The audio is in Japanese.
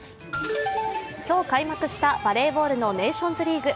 今日開幕したバレーボールのネーションズリーグ。